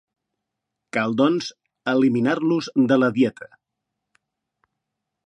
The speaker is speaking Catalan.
Cal, doncs, eliminar-los de la dieta.